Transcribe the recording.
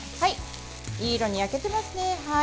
いい色に焼けてますね。